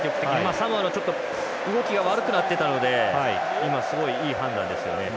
サモアの動きが悪くなってたのですごい、いい判断ですよね。